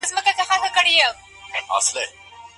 یوه لاښ ته یې سو مخ پراخ او ژور وو